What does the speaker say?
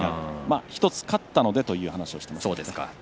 １つ勝ったのでという話をしていました。